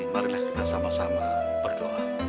marilah kita sama sama berdoa